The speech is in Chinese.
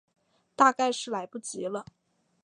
大概是来不及了